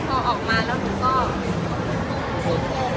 ช่องความหล่อของพี่ต้องการอันนี้นะครับ